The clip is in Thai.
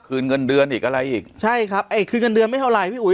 เงินเดือนอีกอะไรอีกใช่ครับไอ้คืนเงินเดือนไม่เท่าไหร่พี่อุ๋